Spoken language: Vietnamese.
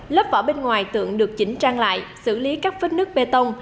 lớp vỏ bên ngoài tượng được chỉnh trang lại xử lý các vết nước bê tông